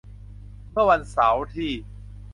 เมื่อวันเสาร์ที่